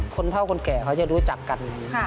เท่าคนแก่เขาจะรู้จักกัน